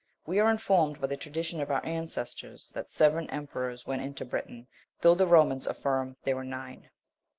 We are informed by the tradition of our ancestors that seven emperors went into Britain, though the Romans affirm there were nine.